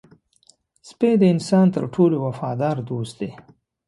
سپي د انسان تر ټولو وفادار دوست دی.